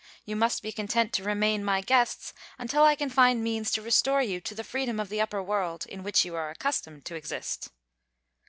You must be content to remain my guests until I can find means to restore you to the freedom of the upper world in which you are accustomed to exist."